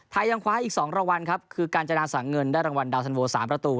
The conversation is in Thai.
ไทยยังคว้าให้อีกสองรางวัลครับคือกาญจนาสังเงินได้รางวัลดาวน์สันโวสามประตู